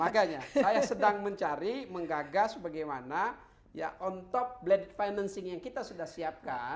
makanya saya sedang mencari menggagas bagaimana ya on top blood financing yang kita sudah siapkan